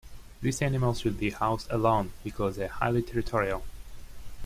These animals should be housed alone, because they are highly territorial.